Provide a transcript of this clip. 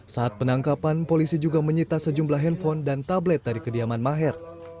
saat penangkapan polisi juga menyita sejumlah handphone dan tablet dari kediaman maher